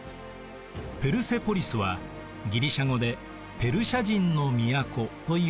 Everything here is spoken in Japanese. ペルセポリスはギリシア語でペルシア人の都という意味。